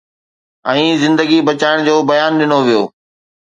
۽ زندگي بچائڻ جو بيان ڏنو ويو.